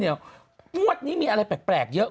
งวดนี้มีอะไรแปลกเยอะ